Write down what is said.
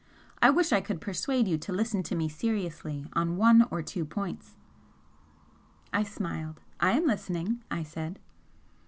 I wish I could persuade you to listen to me seriously on one or two points " I smiled. "I am listening!" I said.